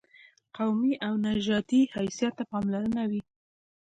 قومي او نژادي حیثیت ته پاملرنه وي.